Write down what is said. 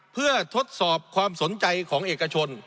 เพื่อทดสอบความสนใจของเอกชน